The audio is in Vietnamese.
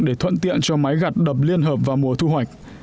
để thuận tiện cho máy gặt đập liên hợp vào mùa thu hoạch